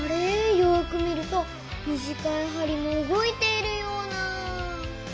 よく見ると短いはりも動いているような？